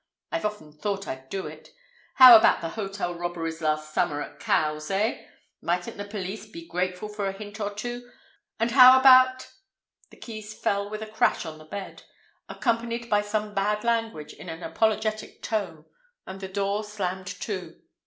I've often thought I'd do it. How about the hotel robberies last summer at Cowes, eh? Mightn't the police be grateful for a hint or two? And how about—" The keys fell with a crash on the bed, accompanied by some bad language in an apologetic tone, and the door slammed to.